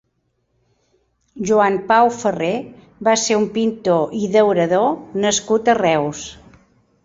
Joan Pau Ferrer va ser un pintor i daurador nascut a Reus.